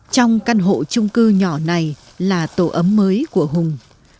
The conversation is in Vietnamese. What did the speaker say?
trong căn hộ trung cư nhỏ này là tổ ấm mới của hùng